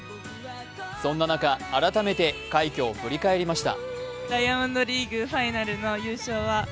そんな中、改めて快挙を振り返りました。